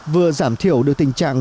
vừa giảm thiểu được tình trạng